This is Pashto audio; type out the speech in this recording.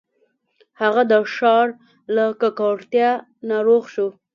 هغه د ښار له ککړتیا ناروغ شو.